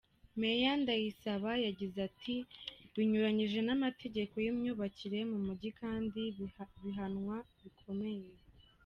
Meya Ndayisaba yagize ati “Binyuranyije n’amategeko y’imyubakire mu Mujyi kandi bihanwa bikomeye.